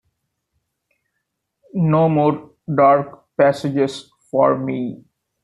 No more dark passages for me.